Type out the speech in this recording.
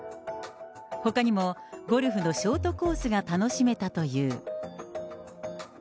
ほかにもゴルフのショートコースが楽しめたという。